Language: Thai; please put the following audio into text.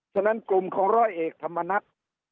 ฉะนั้นกลุ่มของร้อยเอกธรรมนัฐ